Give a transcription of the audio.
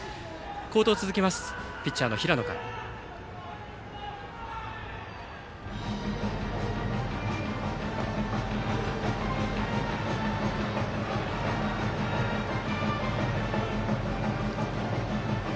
好投を続けているピッチャーの平野からです。